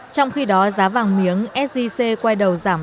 trong khi đó giá vàng miếng sgc quay đầu giảm